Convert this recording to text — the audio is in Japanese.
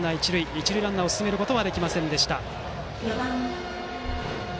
一塁ランナーを進めることはできませんでした。